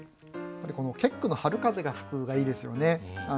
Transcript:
この結句の「春風が吹く」がいいですよね。